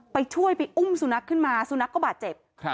ไปช่วยไปอุ้มสุนัขขึ้นมาสุนัขก็บาดเจ็บ